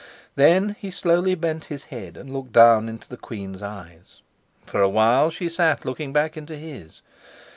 Then he slowly bent his head and looked down into the queen's eyes. For a while she sat looking back into his.